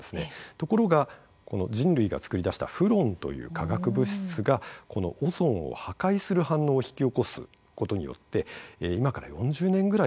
ところが人類が作り出したフロンという化学物質がこのオゾンを破壊する反応を引き起こすことによって今から４０年ぐらい前にですね